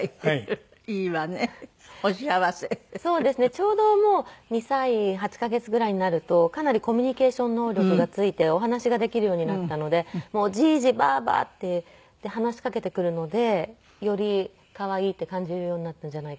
ちょうどもう２歳８カ月ぐらいになるとかなりコミュニケーション能力がついてお話ができるようになったので「じぃじばぁば」って話しかけてくるのでより可愛いって感じるようになったんじゃないかなと思います。